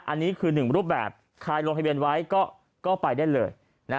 อันนี้คือหนึ่งรูปแบบใครลงทะเบียนไว้ก็ไปได้เลย